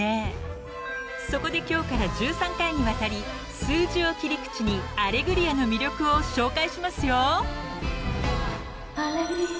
［そこで今日から１３回にわたり数字を切り口に『アレグリア』の魅力を紹介しますよ］